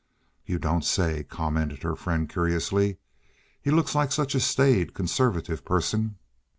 "You don't say!" commented her friend curiously. "He looks like such a staid, conservative person."